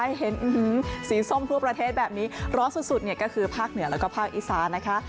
เห็นสีส้มทั่วประเทศแบบนี้ร้อนสุดเนี่ยก็คือภาคเหนือแล้วก็ภาคอีสานนะคะ